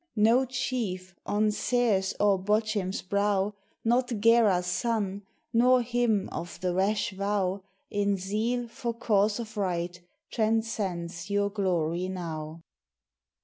No chief, on Seir's, or Bochim's brow, Not Gera's son, nor him of "the rash vow," In zeal, for cause of right transcends your glory now.